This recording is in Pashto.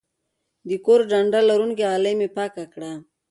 د کور ډنډه لرونکې غالۍ مې پاکه کړه.